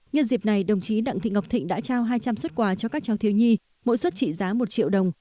nhân dịp này đồng chí đặng thị ngọc thịnh đã trao hai trăm linh xuất quà cho các cháu thiếu nhi mỗi suất trị giá một triệu đồng